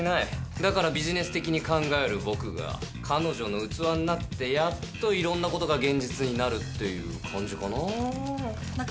だからビジネス的に考える僕が彼女の器になって、やっといろんなことが現実になるっていう感じかな。